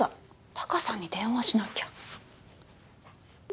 タカさんに電話しなきゃ。